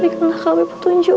dikendah kami petunjukmu